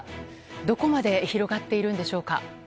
どこまで広がっているのでしょうか。